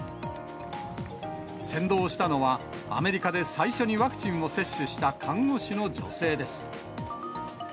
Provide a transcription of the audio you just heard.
先導したのは、アメリカで最初にワクチンを接種した看護師の女性です。